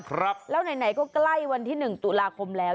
ครับแล้วไหนก็ใกล้วันที่หนึ่งตุลาคมแล้ว